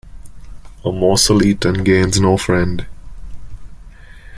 A morsel eaten gains no friend.